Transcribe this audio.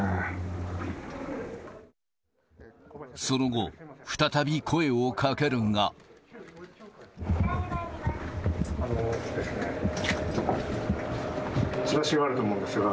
その後、再び声をかけるが。